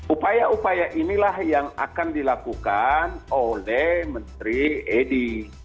upaya upaya inilah yang akan dilakukan oleh menteri edi